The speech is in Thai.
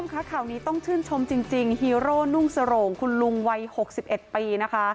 ค่ะข่าวนี้ต้องชื่นชมจริงฮีโร่นุ่งสโรงคุณลุงวัย๖๑ปีนะคะ